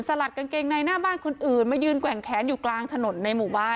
ลัดกางเกงในหน้าบ้านคนอื่นมายืนแกว่งแขนอยู่กลางถนนในหมู่บ้าน